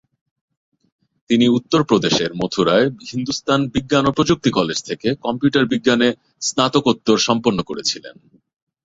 তিনি উত্তরপ্রদেশের মথুরায় হিন্দুস্তান বিজ্ঞান ও প্রযুক্তি কলেজ থেকে কম্পিউটার বিজ্ঞানে স্নাতকোত্তর সম্পন্ন করেছিলেন।